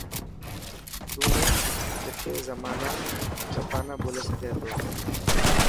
تو ڪتي زبانا ٻولي سگھي ٿو.